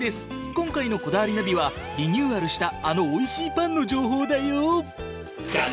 今回の『こだわりナビ』はリニューアルしたあの美味しいパンの情報だよ。